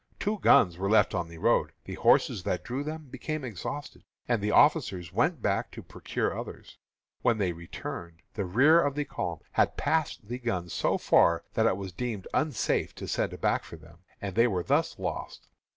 Two guns were left on the road; the horses that drew them became exhausted, and the officers went back to procure others. When they returned, the rear of the column had passed the guns so far that it was deemed unsafe to send back for them, and they were thus lost.